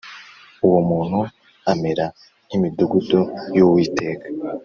Uwo muntu amere nk imidugudu y’Uwiteka